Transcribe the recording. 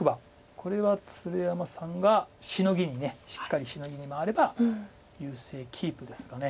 これは鶴山さんがシノギにしっかりシノギに回れば優勢キープですかね。